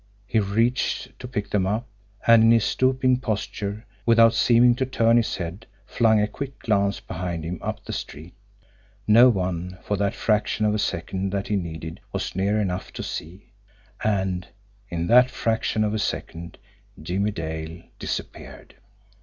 He reached to pick them up, and in his stooping posture, without seeming to turn his head, flung a quick glance behind him up the street. No one, for that fraction of a second that he needed, was near enough to see and in that fraction of a second Jimmie Dale disappeared.